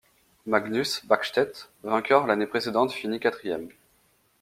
Magnus Bäckstedt vainqueur l'année précédente finit quatrième.